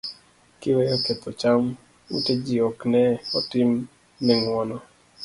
kiweyo ketho cham, ute ji ok ne otim ne ng'uono